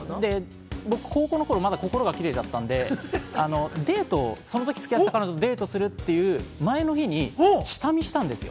僕、高校の頃、まだ心がキレイだったので、その時つき合ってた彼女とデートするっていう前の日に下見をしたんですよ。